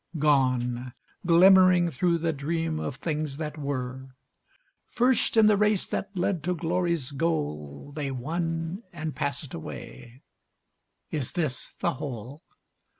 Gone glimmering through the dream of things that were: First in the race that led to Glory's goal, They won, and passed away is this the whole?